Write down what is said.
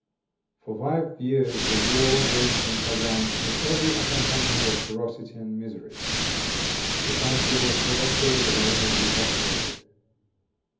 For five years the war raged in Kezan, with every accompaniment of ferocity and misery. The country was devastated and almost depopulated.